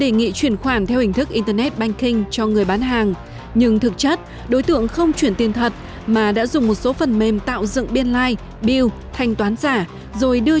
ngoài ra trên mạng internet các đối tượng còn đăng dịch vụ cung cấp các biên lai thanh toán giả